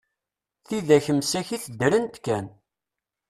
Tidak msakit ddrent kan.